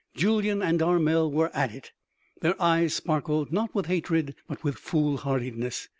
Julyan and Armel were at it. Their eyes sparkled, not with hatred but with foolhardiness.